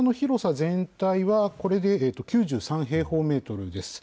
全体は、これで９３平方メートルです。